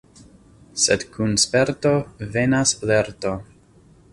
Sed kun sperto venas lerto.